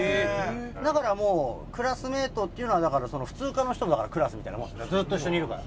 だからもうクラスメートっていうのはだからその普通科の人がクラスみたいなもんですねずっと一緒にいるから。